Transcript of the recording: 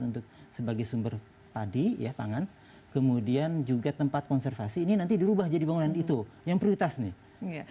untuk sebagai sumber padi ya pangan kemudian juga tempat konservasi ini nanti dirubah jadi bangunan itu yang prioritas nih